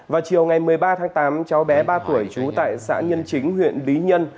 vào chiều ngày một mươi ba tháng tám cháu bé ba tuổi trú tại xã nhân chính huyện lý nhân